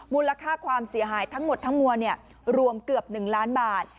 มูลค่าความเสียหายทั้งหมดทั้งมวลรวมเกือบ๑ล้านบาท